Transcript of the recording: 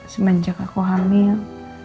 semenjak aku hamil